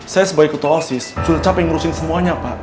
saya sebagai kutu asis sudah capek ngurusin semuanya pak